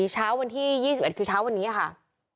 เช้าวันที่๒๑คือเช้าวันนี้ค่ะ